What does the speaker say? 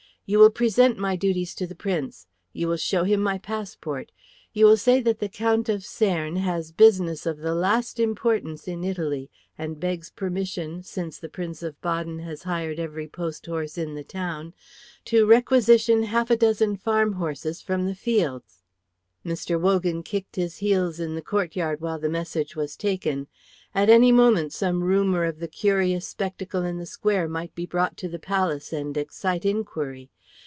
"You will present my duties to the Prince; you will show him my passport; you will say that the Count of Cernes has business of the last importance in Italy, and begs permission, since the Prince of Baden has hired every post horse in the town, to requisition half a dozen farm horses from the fields." Mr. Wogan kicked his heels in the courtyard while the message was taken. At any moment some rumour of the curious spectacle in the square might be brought to the palace and excite inquiry.